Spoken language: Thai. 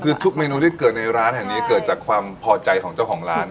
คือทุกเมนูที่เกิดในร้านแห่งนี้เกิดจากความพอใจของเจ้าของร้าน